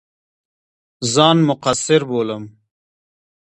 ځان مقصِر بولم.